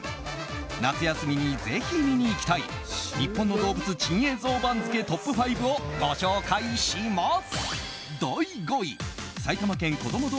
夏休みにぜひ見に行きたい日本の動物珍映像番付トップ５をご紹介します。